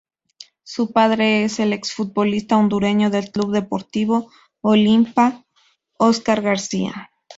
Su padre es el ex-futbolista hondureño del Club Deportivo Olimpia, Óscar García.